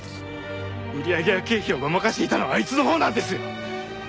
売り上げや経費をごまかしていたのはあいつのほうなんですよ！